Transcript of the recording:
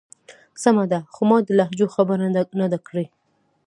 سمه ده. خو ما د لهجو خبره نه ده کړی.